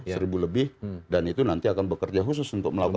seribu lebih dan itu nanti akan bekerja khusus untuk melakukan